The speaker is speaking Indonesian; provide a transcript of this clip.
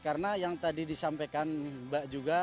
karena yang tadi disampaikan mbak juga